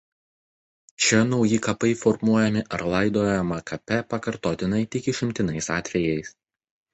Čia nauji kapai formuojami ar laidojama kape pakartotinai tik išimtiniais atvejais.